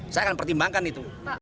saya akan pertimbangkan itu